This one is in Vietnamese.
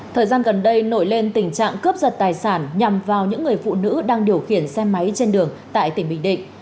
thời gian gần đây nổi lên tình trạng cướp giật tài sản nhằm vào những người phụ nữ đang điều khiển xe máy trên đường tại tỉnh bình định